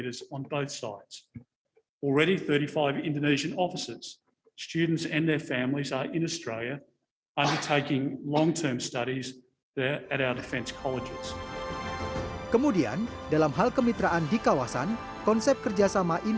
pemerintah australia mengaku siap menyambut kadet dari indonesia untuk menuntut ilmu dan membangun relasi